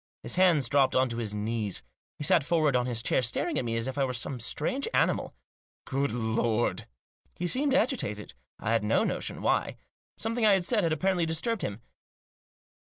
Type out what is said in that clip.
His hands dropped on to his knees. He sat forward on his chair, staring at me as if I were some strange animal. rt Good Lord I" He seemed agitated. I had no notion why. Some thing I had said had apparently disturbed him.